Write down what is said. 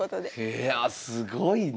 いやすごいな。